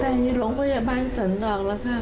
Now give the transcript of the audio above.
ตั้งแต่หยุดหลงพยาบาลสนดอกแล้วครับ